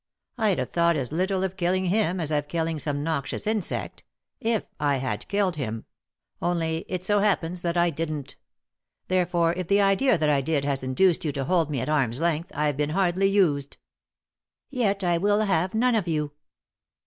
I'd hare thought as little of lulling him as of killing some noxious insect — if I had lulled him ; only — it so happens that I didn't. Therefore, if the idea that I did has induced you to hold me at arm's length, I've been hardly used." " Yet I will have none of you."